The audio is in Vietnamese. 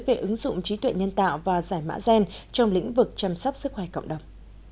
về ứng dụng trí tuệ nhân tạo và giải mã gen trong lĩnh vực chăm sóc sức khỏe cộng đồng